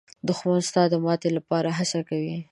دښمن ستا د ماتې لپاره هڅې کوي